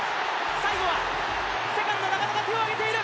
最後はセカンドが手を上げている。